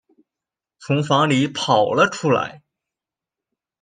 从房里跑了出来